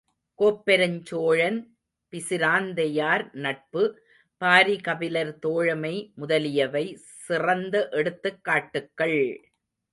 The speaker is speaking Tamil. கோப்பெருஞ்சோழன் பிசிராந்தையார் நட்பு, பாரி கபிலர் தோழமை முதலியவை சிறந்த எடுத்துக் காட்டுக்கள்!